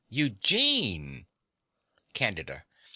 Eugene! CANDIDA.